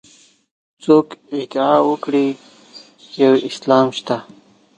څوک ادعا وکړي یو اسلام شته.